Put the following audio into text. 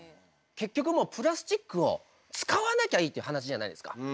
結局もうプラスチックを使わなきゃいいっていう話じゃないですか。